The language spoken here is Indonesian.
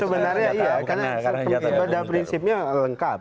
sebenarnya iya karena pada prinsipnya lengkap